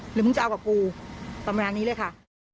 มึงจะเอากับกูประมาณนี้เลยค่ะ